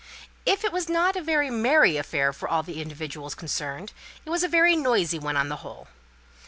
If it was not a very merry affair for all the individuals concerned, it was a very noisy one on the whole.